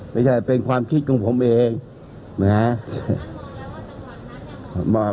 ไม่ใช่เป็นความคิดของผมเองนะฮะ